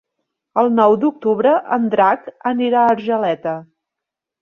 El nou d'octubre en Drac anirà a Argeleta.